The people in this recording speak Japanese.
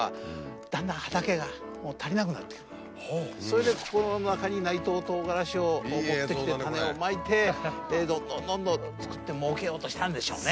それで内藤とうがらしを持ってきて種をまいてどんどんどんどん作ってもうけようとしたんでしょうね。